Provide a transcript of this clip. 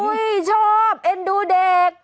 โอ้โฮชอบเอ็นดูเด็ก